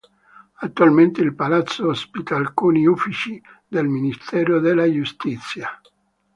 Attualmente il palazzo ospita alcuni uffici del Ministero della Giustizia.